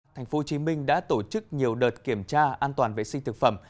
thành phố hồ chí minh đã tổ chức nhiều đợt kiểm tra an toàn vệ sinh thực phẩm